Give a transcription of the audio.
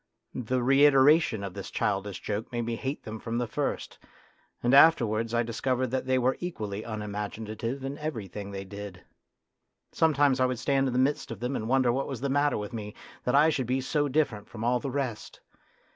The reitera tion of this childish joke made me hate them from the first, and afterwards I discovered 26 A DRAMA OF YOUTH that they were equally unimaginative in every thing they did. Sometimes I would stand in the midst of them, and wonder what was the matter with me that I should be so different from all the rest.